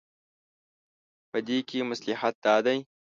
په دې کې مصلحت دا دی.